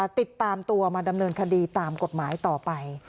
ติดตามตัวมาดำเนินคดีตามกฎหมายต่อไป